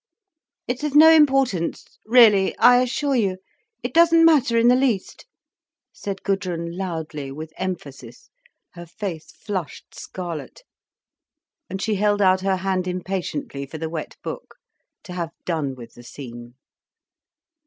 "It's of no importance—really, I assure you—it doesn't matter in the least," said Gudrun loudly, with emphasis, her face flushed scarlet. And she held out her hand impatiently for the wet book, to have done with the scene.